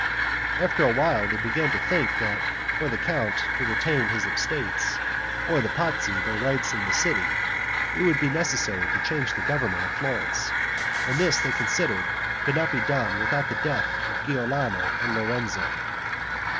After a while they began to think that for the count to retain his estates, or the Pazzi their rights in the city, it would be necessary to change the government of Florence; and this they considered could not be done without the death of Giuliano and Lorenzo.